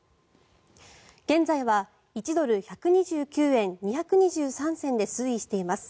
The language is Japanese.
現在は１ドル＝１２９円２２３銭で推移しています。